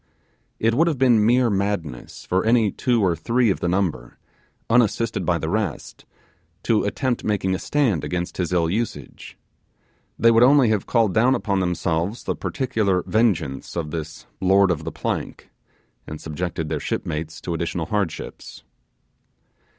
It would have been mere madness for any two or three of the number, unassisted by the rest, to attempt making a stand against his ill usage. They would only have called down upon themselves the particular vengeance of this 'Lord of the Plank', and subjected their shipmates to additional hardships.